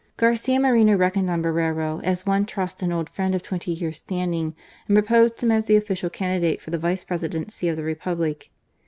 Garcia Moreno reckoned on Borrero, as one trusts an old friend of twenty years' standing, and proposed him as the official candidate for the Vice Presidency of the Republic.